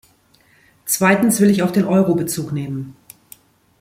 Zweitens will ich auf den Euro Bezug nehmen.